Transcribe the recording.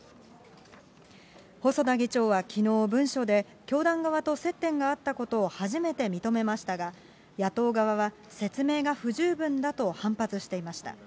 細田議長はきのう、文書で教団側と接点があったことを初めて認めましたが、野党側は説明が不十分だと反発していました。